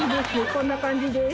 こんな感じです。